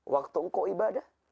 waktu engkau ibadah